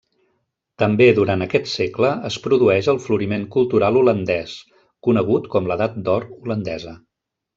També durant aquest segle es produeix el floriment cultural holandès, conegut com l'Edat d'Or holandesa.